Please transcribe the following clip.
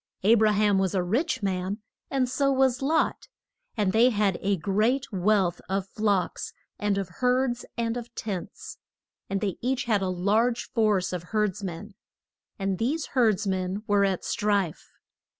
A bra ham was a rich man, and so was Lot, and they had a great wealth of flocks, and of herds, and of tents. And they each had a large force of herds men. And these herds men were at strife.